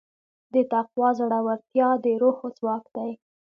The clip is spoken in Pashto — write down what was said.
د تقوی زړورتیا د روح ځواک دی.